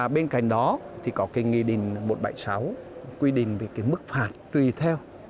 bên cạnh đó có nghị định một trăm bảy mươi sáu quy định về mức phạt tùy theo